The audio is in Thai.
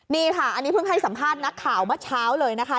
นี่ค่ะอันนี้เพิ่งให้สัมภาษณ์นักข่าวเมื่อเช้าเลยนะคะ